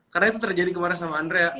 karena itu terjadi kemarin sama andrea